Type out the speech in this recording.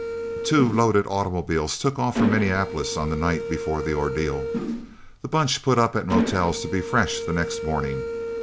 Two loaded automobiles took off for Minneapolis on the night before the ordeal. The Bunch put up at motels to be fresh the next morning.